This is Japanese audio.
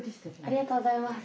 ありがとうございます。